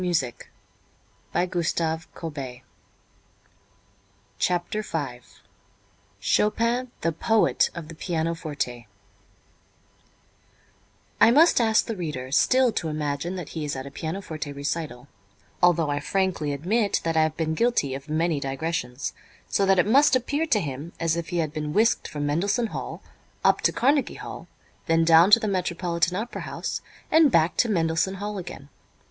With it they shoot the musical chutes. V CHOPIN, THE POET OF THE PIANOFORTE I must ask the reader still to imagine that he is at a pianoforte recital, although I frankly admit that I have been guilty of many digressions, so that it must appear to him as if he had been whisked from Mendelssohn Hall up to Carnegie Hall, then down to the Metropolitan Opera House and back to Mendelssohn Hall again.